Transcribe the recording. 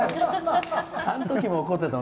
あのときも怒ってたの。